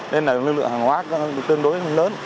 nên là lưu lượng hàng hóa tương đối lớn